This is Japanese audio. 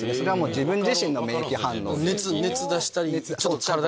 自分自身の免疫反応。